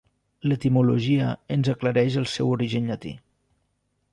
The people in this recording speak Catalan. L'etimologia ens aclareix el seu origen llatí.